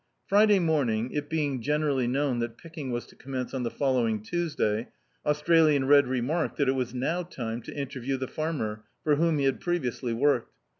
Friday morning, it being generally known that picking was to commence on the following Tuesday, Australian Red remarked that it was now time to interview the fanner, for whom he had previously worked.